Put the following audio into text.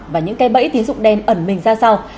và những cái bẫy tín dụng đen ẩn mình ra sao